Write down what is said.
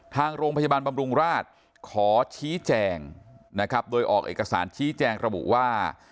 ทางโรงพยาบาลบำรุงราชขอชี้แจงนะครับโดยออกเอกสารชี้แจงระบุว่า